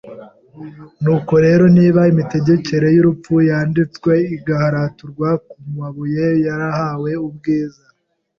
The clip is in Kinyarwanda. Nuko rero, niba imitegekere y’urupfu yanditswe igaharaturwa ku mabuye yarahawe ubwiza